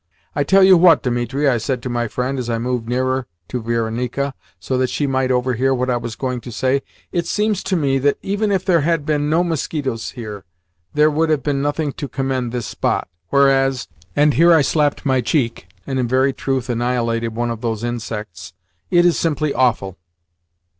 "I tell you what, Dimitri," I said to my friend as I moved nearer to Varenika, so that she might overhear what I was going to say, "it seems to me that, even if there had been no mosquitos here, there would have been nothing to commend this spot; whereas " and here I slapped my cheek, and in very truth annihilated one of those insects "it is simply awful."